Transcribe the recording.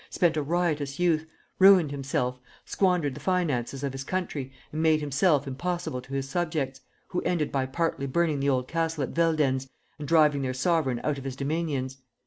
spent a riotous youth, ruined himself, squandered the finances of his country and made himself impossible to his subjects, who ended by partly burning the old castle at Veldenz and driving their sovereign out of his dominions.